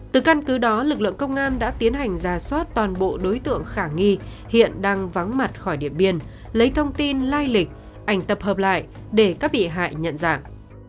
từ căn cứ đó lực lượng công an đã tiến hành ra soát toàn bộ đối tượng khả nghi hiện đang vắng mặt khỏi điện biên lấy thông tin lai lịch ảnh tập hợp lại để các bị hại nhận dạng